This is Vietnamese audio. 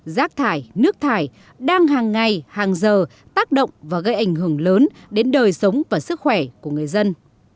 rác thải nước thải đang hàng ngày hàng giờ tác động và gây ảnh hưởng lớn đến đời sống và sức khỏe của người dân